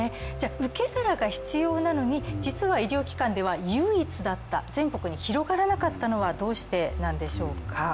受け皿が必要なのに、実は医療機関では唯一だった、全国に広がらなかったのはどうしてなんでしょうか。